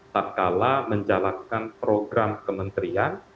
tak kalah menjalankan program kementerian